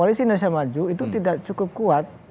itu tidak cukup kuat